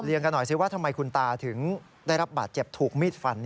กันหน่อยสิว่าทำไมคุณตาถึงได้รับบาดเจ็บถูกมีดฟัน